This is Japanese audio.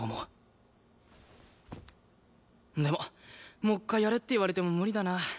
でももう一回やれって言われても無理だな。